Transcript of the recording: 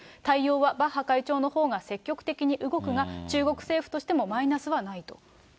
対応は、バッハ会長のほうが積極的に動くが、中国政府としてもマイナスはないと。